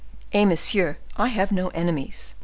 Eh, monsieur, I have no enemies.